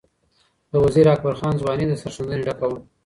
د وزیر اکبر خان ځواني د سرښندنې ډکه وه.